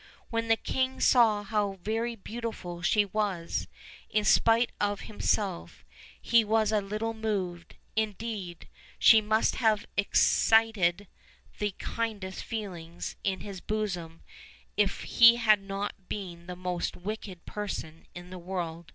When the king saw how very beautiful she was, in spite of himself he was a little moved; indeed, she must have excited the kindest feelings in his bosom if he had not been the most wicked person in the world.